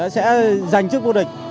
sẽ giành sức quốc địch